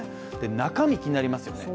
中身、気になりますよね。